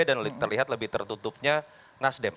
dan terlihat lebih tertutupnya nasdem